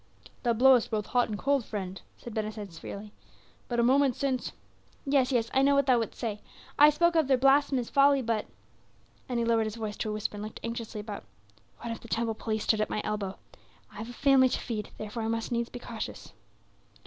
"Thou blowest both hot and cold, friend," said Ben Hesed severely; "but a moment since "Yes, yes, I know what thou wouldst say. I spoke of their blasphemous folly, but" and he lowered his voice to a whisper and looked anxiously about "one of the temple police stood at my elbow; I have a family to feed, therefore I must needs be cautious."